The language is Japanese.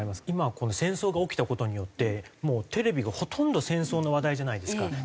今はこの戦争が起きた事によってもうテレビがほとんど戦争の話題じゃないですか。